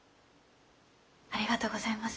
ありがとうございます。